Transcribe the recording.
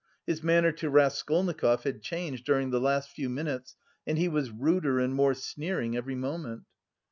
His manner to Raskolnikov had changed during the last few minutes, and he was ruder and more sneering every moment.